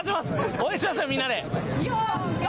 応援しましょう、みんなで。